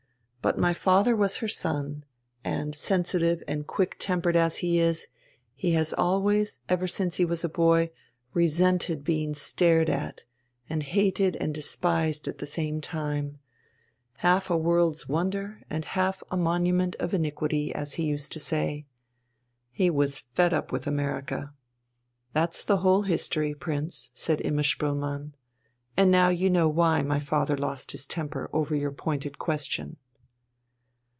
But my father was her son, and, sensitive and quick tempered as he is, he has always, ever since he was a boy, resented being stared at, and hated and despised at the same time; half a world's wonder and half a monument of iniquity, as he used to say. He was fed up with America. That's the whole history, Prince," said Imma Spoelmann, "and now you know why my father lost his temper over your pointed question."